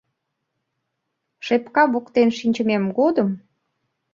Шепка воктен шинчымем годым